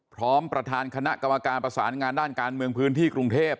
ประธานคณะกรรมการประสานงานด้านการเมืองพื้นที่กรุงเทพ